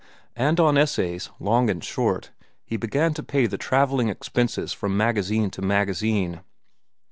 And on essays, long and short, he began to pay the travelling expenses from magazine to magazine.